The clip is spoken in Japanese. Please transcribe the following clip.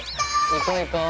行こう行こう！